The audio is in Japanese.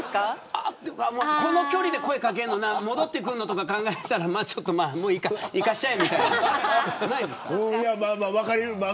この距離で声掛けるのもな戻ってくるのも考えたらもういいか、行かしちゃえみたいな。